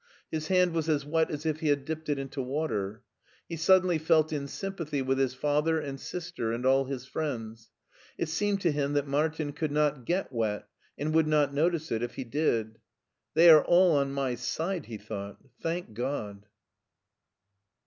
His hand was as wet as if he had dipped it into water. He suddenly felt in sympathy with his father and sister and all his friends. It seemed to him that Martin could not get wet and would not notice it if he did. " They are all on my side/* he thought "Thank God!"